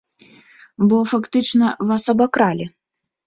Бо, фактычна, вас абакралі.